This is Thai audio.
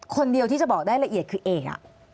คนเดียวที่จะบอกได้ละเอียดคือเอก